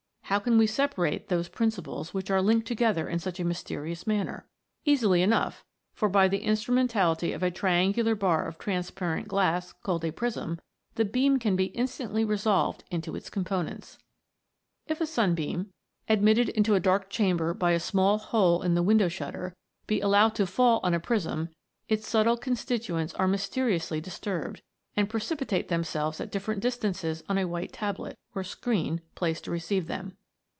How can we separate those principles which are linked to gether in such a mysterious manner? Easily enough, for by the instrumentality of a triangular bar of transparent glass, called a prism, the beam can be instantly resolved into its components. If a sunbeam, admitted into a dark chamber by 92 THE MAGIC OF THE SUNBEAM. a small hole in the window shutter, be allowed to fall on a prism, its subtle constituents are mys teriously disturbed, and precipitate themselves at different distances on a white tablet, or screen, placed to receive them.